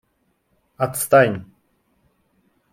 Отстань!